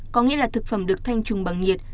có nghĩa là thực phẩm được thanh trùng bằng nhiệt